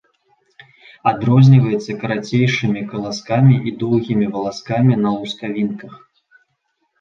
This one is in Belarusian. Адрозніваецца карацейшымі каласкамі і доўгімі валаскамі на лускавінках.